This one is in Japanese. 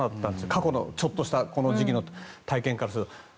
過去のちょっとしたこの時期の体験からすると。